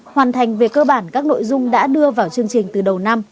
hoàn thành về cơ bản các nội dung đã đưa vào chương trình từ đầu năm